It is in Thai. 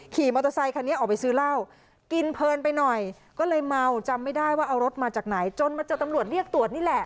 ขี่มอเตอร์ไซคันนี้ออกไปซื้อเหล้ากินเพลินไปหน่อยก็เลยเมาจำไม่ได้ว่าเอารถมาจากไหนจนมาเจอตำรวจเรียกตรวจนี่แหละ